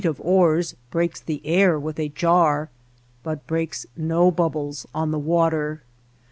of oars breaks the air with a jar, but breaks no bubbles on the water.